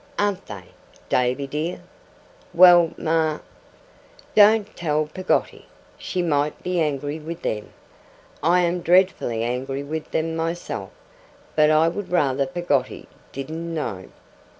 An't they? Davy dear ' 'Well, Ma.' 'Don't tell Peggotty; she might be angry with them. I am dreadfully angry with them myself; but I would rather Peggotty didn't know.